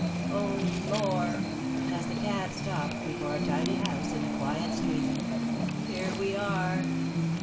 Oh, Lor'!" as the cab stopped before a tidy house in a quiet street, "here we are."